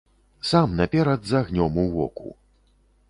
Сам наперад з агнём ў воку.